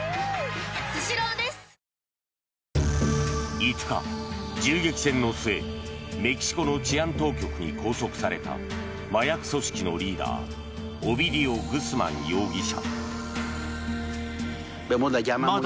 ５日、銃撃戦の末メキシコの治安当局に拘束された麻薬組織のリーダーオビディオ・グスマン容疑者。